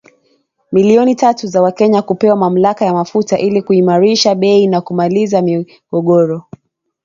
Milioni tatu za Kenya kupewa mamlaka ya mafuta ili kuimarisha bei na kumaliza migogoro